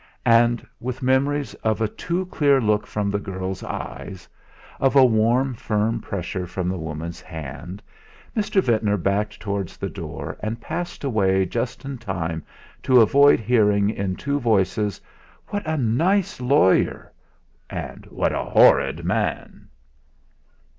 And with memories of a too clear look from the girl's eyes, of a warm firm pressure from the woman's hand, Mr. Ventnor backed towards the door and passed away just in time to avoid hearing in two voices: "What a nice lawyer!" "What a horrid man!"